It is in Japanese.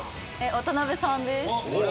渡辺さんです。